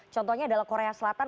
contohnya adalah korea selatan